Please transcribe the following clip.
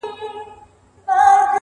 o وتاته زه په خپله لپه كي.